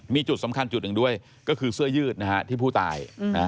มีจุดสำคัญจุดหนึ่งด้วยก็คือเสื้อยืดนะฮะที่ผู้ตาย